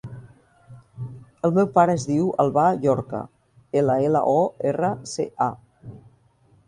El meu pare es diu Albà Llorca: ela, ela, o, erra, ce, a.